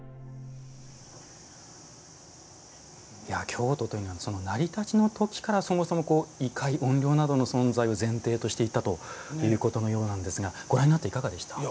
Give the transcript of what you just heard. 京都というのは成り立ちのときからそもそも異界、怨霊などの存在を前提としていたということのようなんですがご覧になっていかがですか。